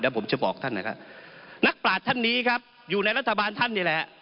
ผมจะบอกท่านนะครับนักปราศท่านนี้ครับอยู่ในรัฐบาลท่านนี่แหละ